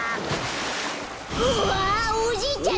うわおじいちゃん